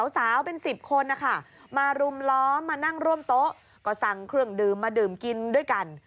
สาวเป็น๑๐คนนะคะมารุมล้อมมานั่งร่วมโต๊ะก็สั่งเครื่องดื่มมาดื่มกินด้วยกัน